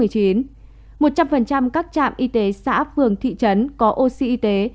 một trăm linh các trạm y tế xã phường thị trấn có oxy y tế